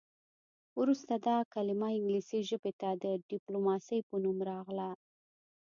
وروسته دا کلمه انګلیسي ژبې ته د ډیپلوماسي په نوم راغله